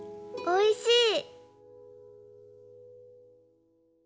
おいしい！